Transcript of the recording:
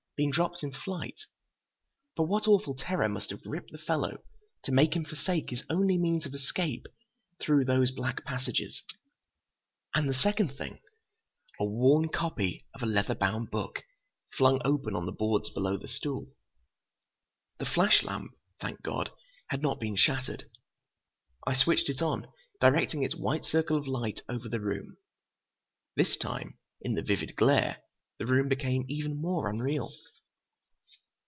Been dropped in flight! But what awful terror must have gripped the fellow to make him forsake his only means of escape through those black passages? And the second thing—a worn copy of a leather bound book, flung open on the boards below the stool! The flash lamp, thank God! had not been shattered. I switched it on, directing its white circle of light over the room. This time, in the vivid glare, the room became even more unreal.